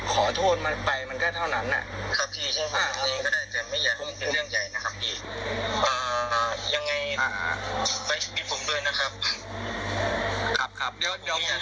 แกรนวกพวกผมรู้ผมจะเหลือโรยไหม